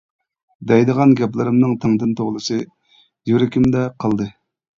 دەيدىغان گەپلىرىمنىڭ تەڭدىن تولىسى يۈرىكىمدە قالدى.